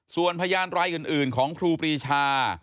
ส่วนพยานรายอื่นของครูปรีชา